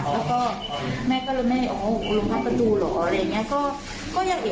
แล้วก็แม่ก็เลยแม่อ๋อคุณลุงพับประตูเหรออะไรอย่างนี้